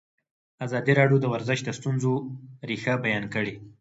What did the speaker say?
ازادي راډیو د ورزش د ستونزو رېښه بیان کړې.